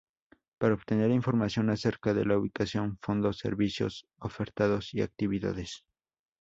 Para obtener información acerca de la ubicación, fondos, servicios ofertados y actividades.